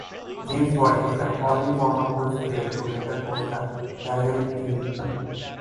James Boyd is the only former Bulls player to later coach the Belleville team.